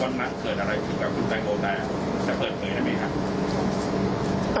วันนั้นเกิดอะไรขึ้นกับคุณแม่โมแม่แต่เพิ่มเคยได้มั้ยครับ